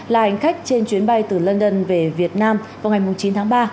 là hành khách trên chuyến bay từ london về việt nam vào ngày chín tháng ba